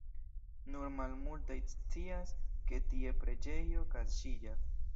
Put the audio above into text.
Nur malmultaj scias, ke tie preĝejo kaŝiĝas.